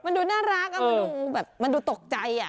น่ารักมันดูตกใจ